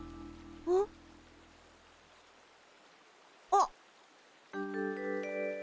あっ。